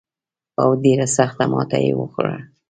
او ډېره سخته ماته یې وخوړه.